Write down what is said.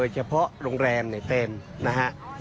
เฉพาะโรงแรมในเป็นนะครับ